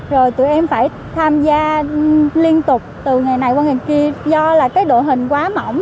rồi tụi em phải tham gia liên tục từ ngày này qua ngày kia do là cái đội hình quá mỏng